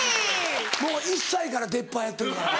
もう１歳から出っ歯やってるから。